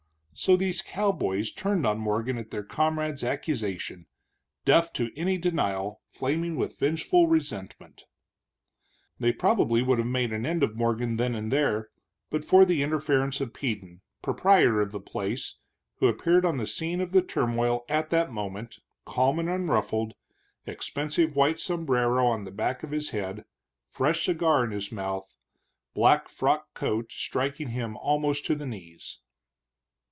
So, these Texas cowboys turned on Morgan at their comrade's accusation, deaf to any denial, flaming with vengeful resentment. They probably would have made an end of Morgan then and there, but for the interference of Peden, proprietor of the place, who appeared on the scene of the turmoil at that moment, calm and unruffled, expensive white sombrero on the back of his head, fresh cigar in his mouth, black frock coat striking him almost to the knees.